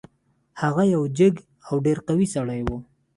هغه یو جګ او ډیر قوي سړی و.